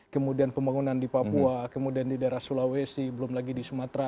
kemudian pembangunan di papua kemudian di daerah sulawesi belum lagi di sumatera